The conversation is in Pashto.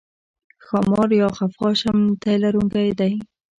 ښامار یا خفاش هم تی لرونکی دی